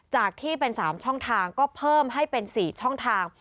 จากที่เป็น๓ช่องทางก็เพิ่มให้เป็น๔ช่องทาง